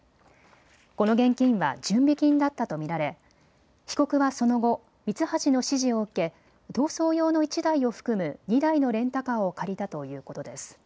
この現金は準備金だったと見られ被告はその後、ミツハシの指示を受け逃走用の１台を含む２台のレンタカーを借りたということです。